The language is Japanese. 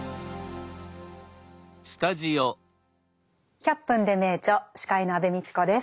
「１００分ｄｅ名著」司会の安部みちこです。